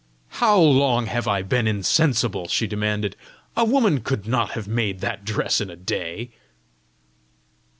"How long have I been insensible?" she demanded. "A woman could not have made that dress in a day!"